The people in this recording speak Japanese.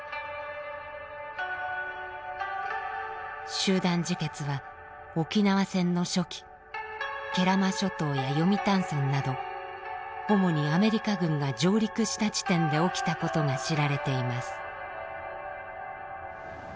集団自決は沖縄戦の初期慶良間諸島や読谷村など主にアメリカ軍が上陸した地点で起きたことが知られています。